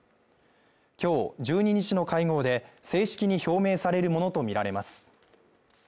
今日１０日の会合で正式に表明されるものとみられます。